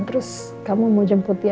terus kamu mau jemput ya